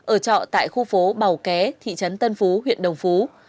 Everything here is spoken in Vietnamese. ở trọ tại khu phố bào ké thị trấn tân phú huyện đồng phú